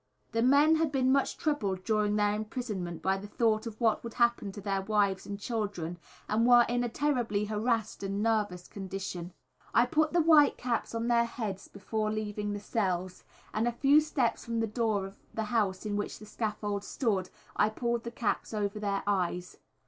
The men had been much troubled during their imprisonment by the thought of what would happen to their wives and children, and were in a terribly harassed and nervous condition. I put the white caps on their heads before leaving the cells, and a few steps from the door of the house in which the scaffold stood I pulled the caps over their eyes.